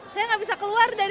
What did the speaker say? saya gak bisa keluar